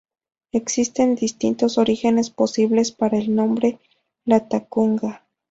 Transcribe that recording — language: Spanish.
Existen distintos orígenes posibles para el nombre "Latacunga".